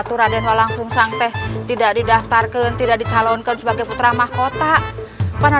turanian langsung sang teh tidak didaftarkan tidak dicalonkan sebagai putra mahkota panah